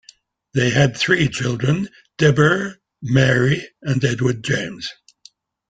They had three children, Deborah, Mary, and Edward James.